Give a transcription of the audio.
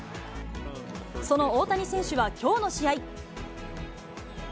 その大谷選手はきょうの試合。